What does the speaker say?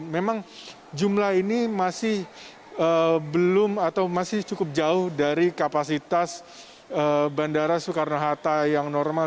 memang jumlah ini masih cukup jauh dari kapasitas bandara soekarno hatta yang normal